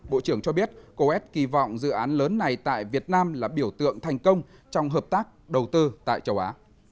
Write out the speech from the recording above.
bộ trưởng cho biết coes kỳ vọng dự án lớn này tại việt nam là biểu tượng thành công trong hợp tác đầu tư tại châu á